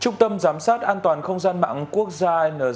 trung tâm giám sát an toàn không gian mạng quốc gia